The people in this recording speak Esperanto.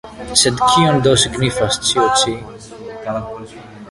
Sed kion do signifas ĉio ĉi?